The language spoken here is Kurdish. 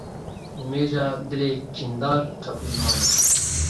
Nimêja dilê kîndar qebûl nabe.